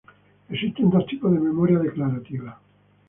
Existen dos tipos de memoria declarativa.